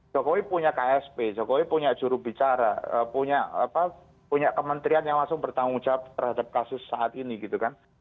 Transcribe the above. jokowi punya ksp jokowi punya jurubicara punya kementerian yang langsung bertanggung jawab terhadap kasus saat ini gitu kan